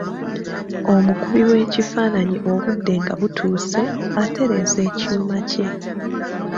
Omukubi w'ekifaananyi obudde nga butuuse, atereeza ekyuma kye.